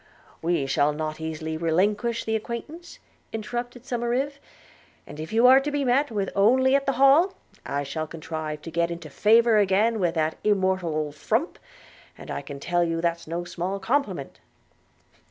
'We shall not easily relinquish the acquaintance,' interrupted Somerive; 'and if you are to be met with only at the Hall, I shall contrive to get into favour again with that immortal old frump, and I can tell you that's no small compliment.'